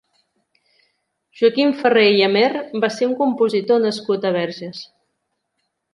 Joaquim Ferrer i Amer va ser un compositor nascut a Verges.